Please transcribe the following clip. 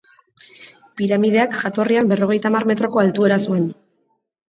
Piramideak, jatorrian, berrogeita hamar metroko altuera zuen.